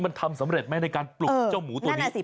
มันทำสำเร็จไหมในการปลุกเจ้าหมูตัวนี้